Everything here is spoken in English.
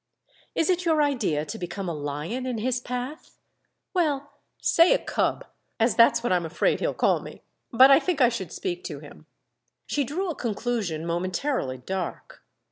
"Is it your idea to become a lion in his path?" "Well, say a cub—as that's what I'm afraid he'll call me! But I think I should speak to him." She drew a conclusion momentarily dark.